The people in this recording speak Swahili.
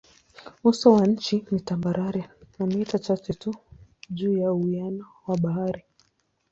Uso wa nchi ni tambarare na mita chache tu juu ya uwiano wa bahari.